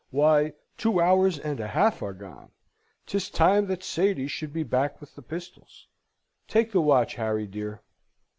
"Why, two hours and a half are gone! 'Tis time that Sady should be back with the pistols. Take the watch, Harry dear."